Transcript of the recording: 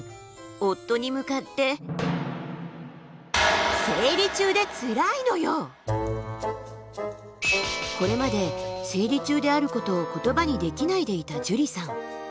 夫に向かってこれまで生理中であることを言葉にできないでいたじゅりさん。